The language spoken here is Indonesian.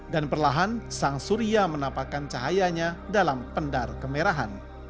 dan perlahan sang surya menapakkan cahayanya dalam pendar kembali